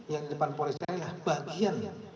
yang di depan polisian